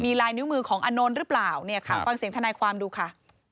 มีลายนิ้วมือของอนนท์รึเปล่าเนี้ยครับฝั่งเสียงธนาความดูค่ะ